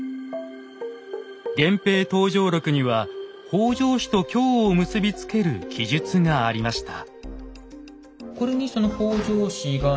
「源平闘諍録」には北条氏と京を結び付ける記述がありました。